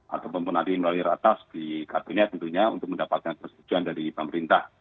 atau pembunuhan di melalui ratas di kabinet tentunya untuk mendapatkan persetujuan dari pemerintah